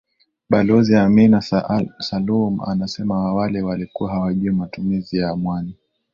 Balozi Amina Salum anasema awali walikuwa hawajui matumizi ya mwani